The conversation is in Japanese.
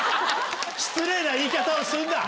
失礼な言い方をするな。